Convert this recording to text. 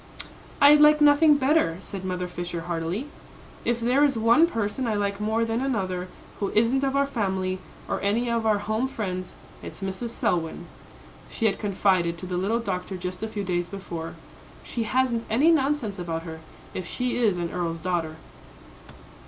"I'd like nothing better," said Mother Fisher, heartily. "If there is one person I like more than another, who isn't of our family, or any of our home friends, it's Mrs. Selwyn," she had confided to the little doctor just a few days before. "She hasn't any nonsense about her, if she is an earl's daughter."